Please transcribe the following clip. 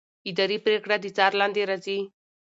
اداري پرېکړه د څار لاندې راځي.